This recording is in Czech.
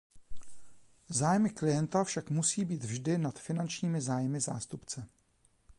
Zájmy klienta však musí být vždy nad finančními zájmy zástupce.